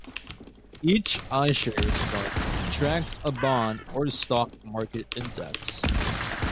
Each iShares fund tracks a bond or stock market index.